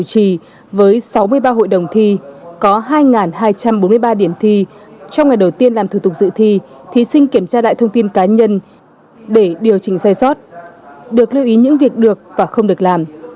tại các điểm thi thí sinh kiểm tra đại thông tin cá nhân để điều chỉnh dây sót được lưu ý những việc được và không được làm